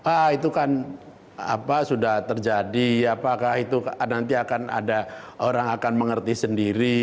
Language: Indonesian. ah itu kan sudah terjadi apakah itu nanti akan ada orang akan mengerti sendiri